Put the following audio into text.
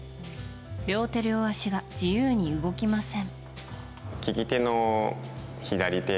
両手両足が自由に動きません。